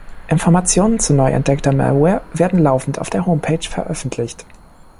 Informationen zu neu entdeckter Malware werden laufend auf der Homepage veröffentlicht.